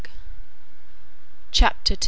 CHAPTER II.